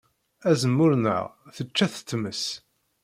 Azemmur-nneɣ tečča-t tmes.